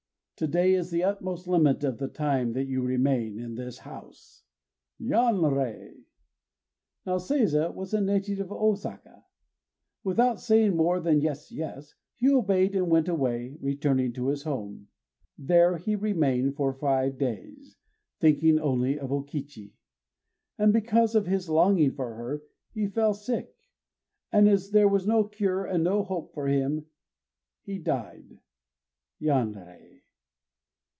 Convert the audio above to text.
to day is the utmost limit of the time that you remain in this house." Yanrei! Now Seiza was a native of Ôsaka. Without saying more than "Yes yes," he obeyed and went away, returning to his home. There he remained four or five days, thinking only of O Kichi. And because of his longing for her, he fell sick; and as there was no cure and no hope for him, he died. _Yanrei!